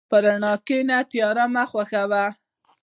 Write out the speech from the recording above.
په رڼا کښېنه، تیاره مه خوښه وه.